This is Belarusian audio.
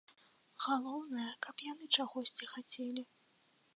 Галоўнае, каб яны чагосьці хацелі.